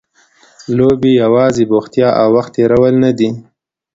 لوبې یوازې بوختیا او وخت تېرول نه دي.